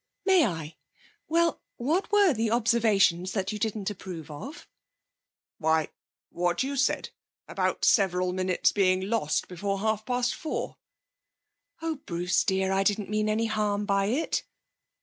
'May I? Well, what were the observations you didn't approve of?' 'Why ... what you said. About several minutes being lost before half past four.' 'Oh, Bruce dear, I didn't mean any harm by it.'